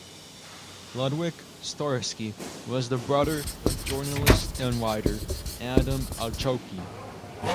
Ludwik Starski was the brother of journalist and writer Adam Ochocki.